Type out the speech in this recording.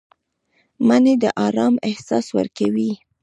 مني د آرام احساس ورکوي